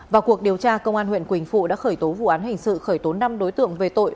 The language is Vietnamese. vào cuộc điều tra công an huyện quỳnh phụ đã khởi tố vụ án hình sự khởi tố năm đối tượng về tội